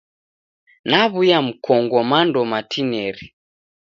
Naw'uya mkongo mando matineri.